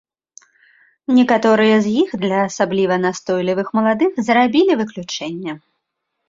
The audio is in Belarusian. Некаторыя з іх для асабліва настойлівых маладых зрабілі выключэнне.